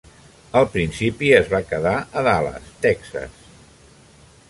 Al principi es va quedar a Dallas, Texas.